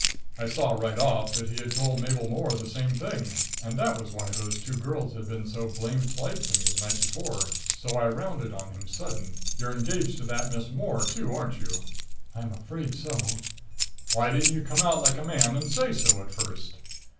I saw right off that he had told Mabel Moore the same thing, and that was why those two girls had been so blamed polite to me the night before. So I rounded on him sudden. "You're engaged to that Miss Moore, too, aren't you?" "I'm afraid so." "Why didn't you come out like a man and say so at first?"